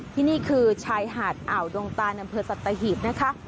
ที่นี่คือชายหาดอ่าวดงตานอำเภอสัตหีบนะคะ